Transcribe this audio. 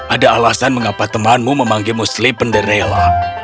ada alasan mengapa temanmu memanggilmu slippin' the rela